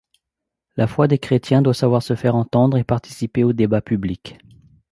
La foi des chrétiens doit savoir se faire entendre et participer au débat public.